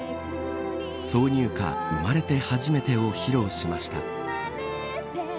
挿入歌、生まれてはじめてを披露しました。